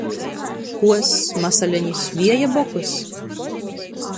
Kuoss, masalenis, vieja bokys?